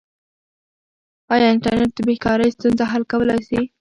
آیا انټرنیټ د بې کارۍ ستونزه حل کولای سي؟